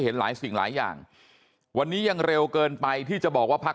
เห็นหลายสิ่งหลายอย่างวันนี้ยังเร็วเกินไปที่จะบอกว่าพัก